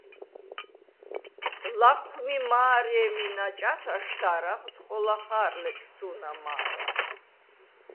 ლაჴვმი მა̄რე̄მი ნაჭათვ აშთა̄რაღდ ხოლა ხა̄რ ლეჭვთუნა მა̄რა.